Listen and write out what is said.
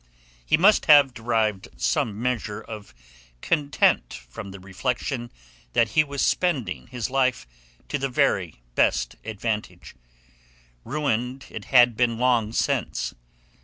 He must have derived some measure of content from the reflection that he was spending his life to the very best advantage. Ruined it had been long since.